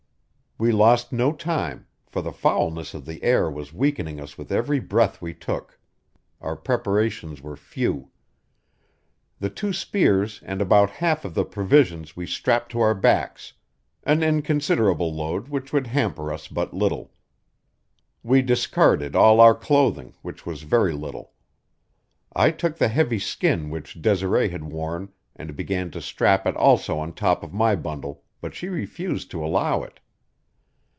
We lost no time, for the foulness of the air was weakening us with every breath we took. Our preparations were few. The two spears and about half of the provisions we strapped to our backs an inconsiderable load which would hamper us but little. We discarded all our clothing, which was very little. I took the heavy skin which Desiree had worn and began to strap it also on top of my bundle, but she refused to allow it.